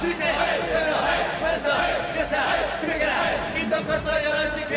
・ひと言よろしく。